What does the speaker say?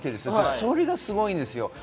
それがすごいです。